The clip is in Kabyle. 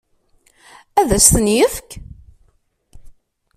Ad as-ten-yefk?